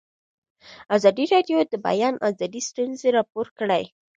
ازادي راډیو د د بیان آزادي ستونزې راپور کړي.